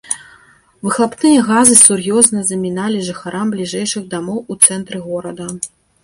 Выхлапныя газы сур'ёзна заміналі жыхарам бліжэйшых дамоў у цэнтры горада.